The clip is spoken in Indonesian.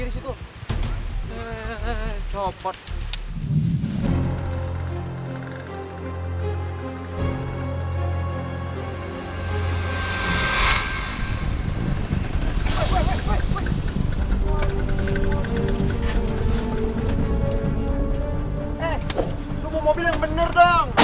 eh lu mau mobil yang bener dong